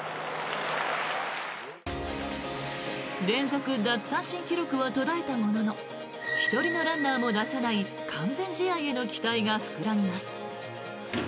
連続奪三振記録は途絶えたものの１人のランナーも出さない完全試合への期待が膨らみます。